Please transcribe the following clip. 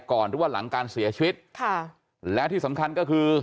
หรือว่าหลังการเสียชีวิตค่ะแล้วที่สำคัญก็คือ